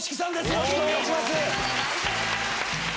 よろしくお願いします。